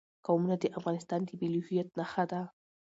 قومونه د افغانستان د ملي هویت نښه ده.